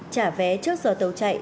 trả vé trước giờ tàu chạy